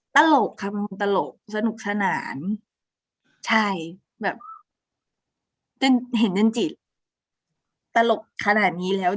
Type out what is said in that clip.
ตลกค่ะเป็นคนตลกสนุกสนานใช่แบบจนเห็นเป็นจิตตลกขนาดนี้แล้ว